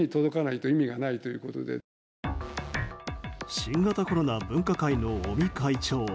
新型コロナ分科会の尾身会長。